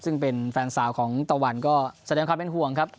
ซึ่งเป็นแฟนสาวของตะวันก็แสดงความเป็นห่วงครับ